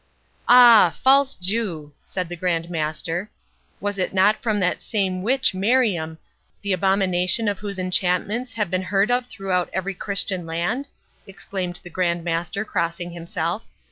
"Ah, false Jew!" said the Grand Master; "was it not from that same witch Miriam, the abomination of whose enchantments have been heard of throughout every Christian land?" exclaimed the Grand Master, crossing himself.